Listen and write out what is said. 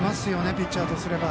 ピッチャーとすれば。